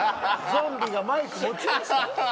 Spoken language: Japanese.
ゾンビがマイク持ちました？